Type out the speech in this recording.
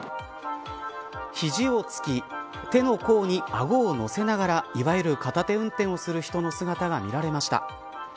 肘をつき手の甲にあごを乗せながらいわゆる、片手運転をする人の姿が見られました。